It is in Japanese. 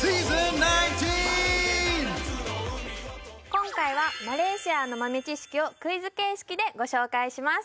今回はマレーシアの豆知識をクイズ形式でご紹介します